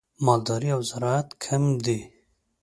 مالداري او زراعت کم دي.